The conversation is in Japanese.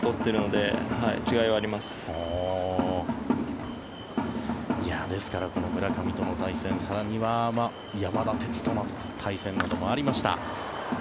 ですから、村上との対戦更には山田哲人との対戦などもありました。